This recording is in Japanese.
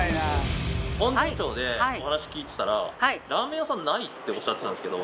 本庄町でお話聞いてたらラーメン屋さんないっておっしゃってたんですけど。